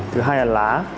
thứ hai là lá